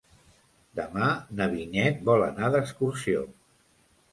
Demà na Vinyet vol anar d'excursió.